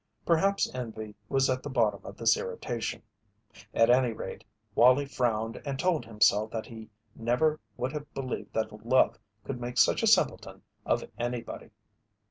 Perhaps envy was at the bottom of this irritation; at any rate, Wallie frowned and told himself that he never would have believed that love could make such a simpleton of anybody.